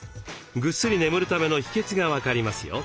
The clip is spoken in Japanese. ぐっすり眠るための秘けつが分かりますよ。